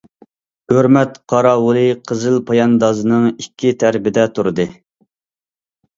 ھۆرمەت قاراۋۇلى قىزىل پاياندازنىڭ ئىككى تەرىپىدە تۇردى.